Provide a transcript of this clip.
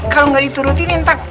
kalo gak dituruti minta